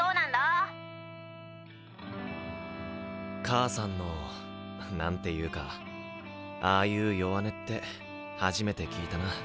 母さんの何て言うかああいう弱音って初めて聞いたな。